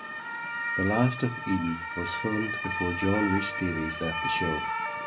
"The Last of Eden" was filmed before John Rhys-Davies left the show.